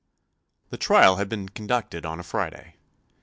The trial had been conducted on a Friday.